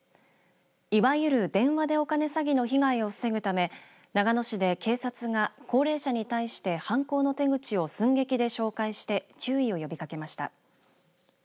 いわゆる電話でお金詐欺の被害を防ぐため長野市で警察が高齢者に対して犯行の手口を寸劇で紹介して注意を呼びかけました。